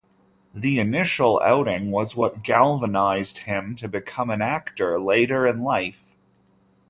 This initial outing was what galvanized him to become an actor later in life.